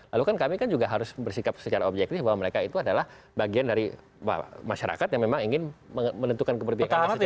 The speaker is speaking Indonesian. lalu kan kami kan juga harus bersikap secara objektif bahwa mereka itu adalah bagian dari masyarakat yang memang ingin menentukan keberpihakan